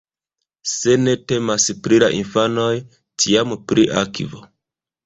Se ne temas pri la infanoj, tiam pri akvo.